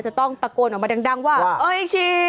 จะต้องตะโกนออกมาดังว่าเอ้ยชี